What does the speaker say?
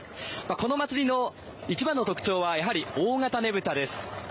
この祭りの一番の特徴はやはり大型ねぶたです。